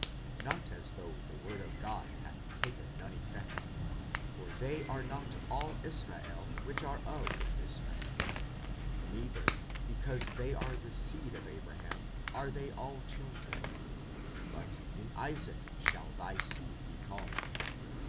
45:009:006 Not as though the word of God hath taken none effect. For they are not all Israel, which are of Israel: 45:009:007 Neither, because they are the seed of Abraham, are they all children: but, In Isaac shall thy seed be called.